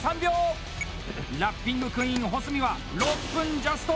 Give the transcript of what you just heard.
ラッピングクイーン・保住は６分ジャスト。